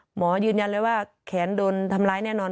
หมอยืนยันเลยว่าแขนโดนทำร้ายแน่นอน